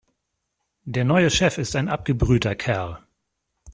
Der neue Chef ist ein abgebrühter Kerl.